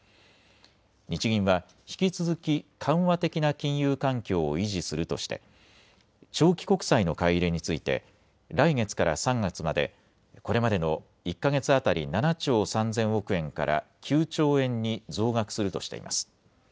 日銀は引き続き緩和的な金融環境を維持するとして長期国債の買い入れについて来月から３月までこれまでの１か月当たり７兆３０００億円から９兆円に増額するとしています。